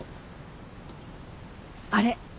あれ？